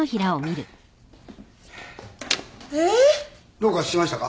どうかしましたか？